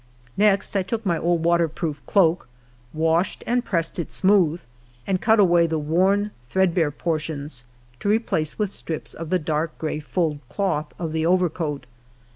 Next I took my old water proof cloak, washed and pressed it smooth, and cut away the worn, threadbare portions, to replace with strips of the dark gray fulled cloth of the overcoat.